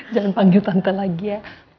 jangan panggil tante lagi ya